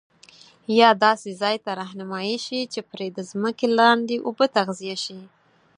یا داسي ځاي ته رهنمایی شي چي پري د ځمکي دلاندي اوبه تغذیه شي